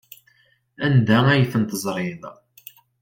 Anda ay ten-terẓiḍ?